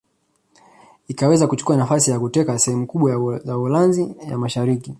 Ikaweza kuchukua nafasi ya kuteka sehemu kubwa za Uholanzi ya Mashariki